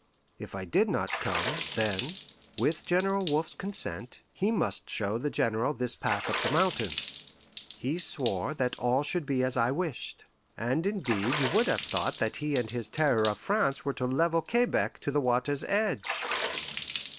If I did not come, then, with General Wolfe's consent, he must show the General this path up the mountain. He swore that all should be as I wished; and indeed you would have thought that he and his Terror of France were to level Quebec to the water's edge.